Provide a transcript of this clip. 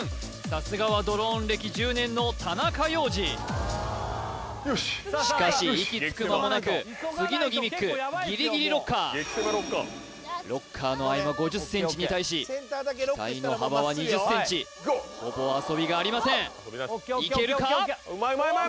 さすがはドローン歴１０年の田中要次しかし息つく間もなく次のギミックギリギリロッカーロッカーの合間５０ｃｍに対し機体の幅は２０ｃｍほぼ遊びがありませんいけるか？